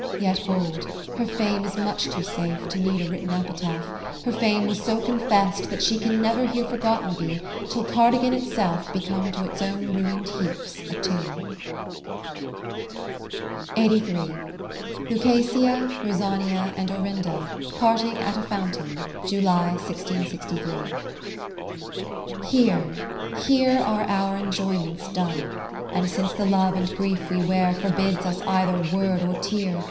.^o Yet hold, her fame is much too safe, To need a written epitaph. Her fame was so confess'd, that she Can never here forgotten be, Till Cardigan itself become To its own ruin'd heaps a tomb. Lucasia, Rosania, and Orinda parting at a Fountain, J uly. i66^s Here, here are our enjoyments done. And since the love and grief we wear Forbids us either word or tear.